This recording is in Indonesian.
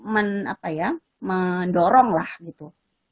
mendorong lah gitu